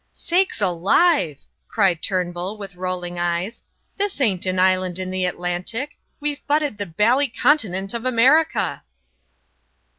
"Sakes alive!" cried Turnbull, with rolling eyes; "this ain't an island in the Atlantic. We've butted the bally continent of America."